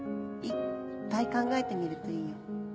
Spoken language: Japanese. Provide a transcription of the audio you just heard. いっぱい考えてみるといいよ